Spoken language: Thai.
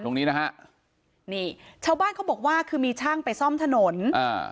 ตรงนี้นะฮะนี่ชาวบ้านเขาบอกว่าคือมีช่างไปซ่อมถนนอ่า